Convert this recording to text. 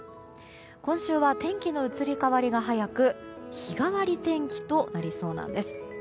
今週は天気の移り変わりが早く日替わり天気となりそうなんです。